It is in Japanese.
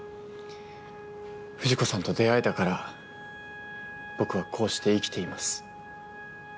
藤子さんと出会えたから僕はこうして生きています。